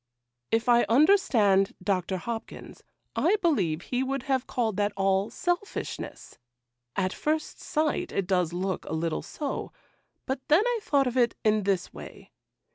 'If I understand Dr. Hopkins, I believe he would have called that all selfishness. At first sight it does look a little so, but then I thought of it in this way.